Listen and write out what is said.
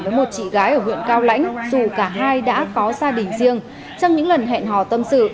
với một chị gái ở huyện cao lãnh dù cả hai đã có gia đình riêng trong những lần hẹn hò tâm sự